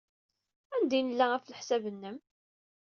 Anda ay nella, ɣef leḥsab-nnem?